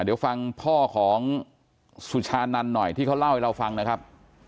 เดี๋ยวฟังพ่อของสุชานันหน่อยที่เขาเล่าให้เราฟังนะครับ